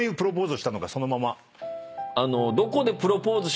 そのまま。